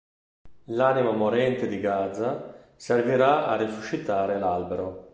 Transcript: L'anima morente di Gaza servirà a resuscitare l'Albero.